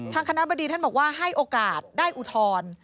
ทางคณะบดีท่านบอกว่าให้โอกาสได้อุทธรณ์